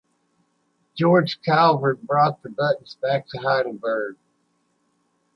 George Calvert brought the buttons back to Heidelberg.